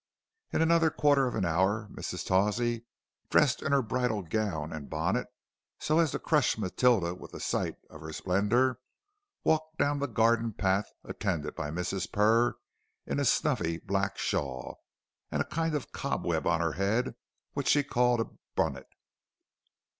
In another quarter of an hour Mrs. Tawsey, dressed in her bridal gown and bonnet so as to crush Matilda with the sight of her splendor, walked down the garden path attended by Mrs. Purr in a snuffy black shawl, and a kind of cobweb on her head which she called a "bunnet."